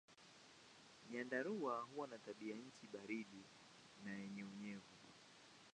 Nyandarua huwa na tabianchi baridi na yenye unyevu.